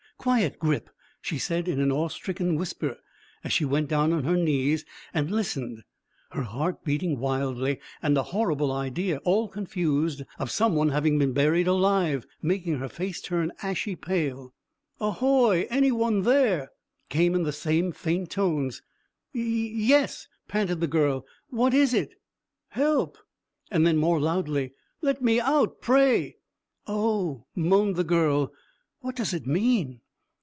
Quiet, Grip!" she said in an awe stricken whisper, as she went down on her knees and listened, her heart beating wildly, and a horrible idea, all confused, of some one having been buried alive, making her face turn ashy pale. "Ahoy! Any one there?" came in the same faint tones. "Yes yes," panted the girl. "What is it?" "Help!" And then, more loudly, "Let me out, pray." "Oh," moaned the girl, "what does it mean?"